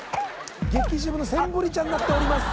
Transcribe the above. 激渋のセンブリ茶になっております。